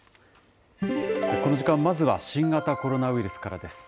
この時間、まずは新型コロナウイルスからです。